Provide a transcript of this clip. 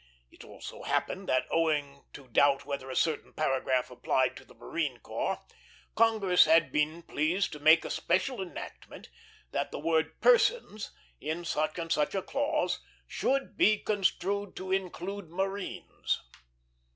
It so happened that, owing to doubt whether a certain paragraph applied to the Marine Corps, Congress had been pleased to make a special enactment that the word "persons" in such and such a clause "should be construed to include marines."